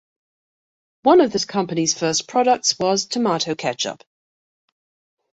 One of this company's first products was tomato ketchup.